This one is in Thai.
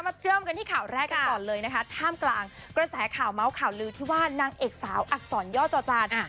มาเริ่มกันที่ข่าวแรกกันก่อนเลยนะคะท่ามกลางกระแสข่าวเมาส์ข่าวลือที่ว่านางเอกสาวอักษรย่อจอจาน